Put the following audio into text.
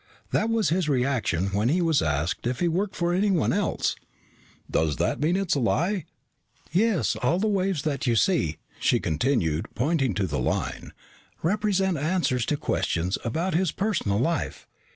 "That was his reaction when he was asked if he worked for anyone else." "Does that mean it's a lie?" "Yes. All the waves that you see," she continued, pointing to the line, "represent answers to questions about his personal life.